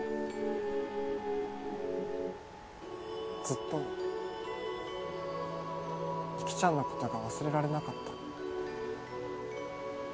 ずっと雪ちゃんのことが忘れられなかった。